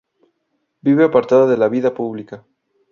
Vive apartada de la vida pública.